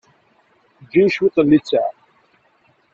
Eǧǧ-iyi cwiṭ n littseɛ.